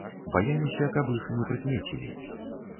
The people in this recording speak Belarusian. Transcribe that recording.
Баяліся, каб іх не прыкмецілі.